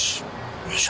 よいしょ。